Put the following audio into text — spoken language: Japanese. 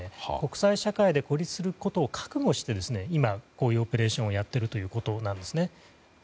国際社会で孤立することを覚悟して今、こういうオペレーションをやっているということです。